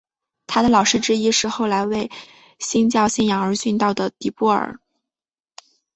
他的老师之一是后来为新教信仰而殉道的迪布尔。